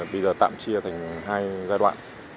bây giờ tạm chia thành hai giai đoạn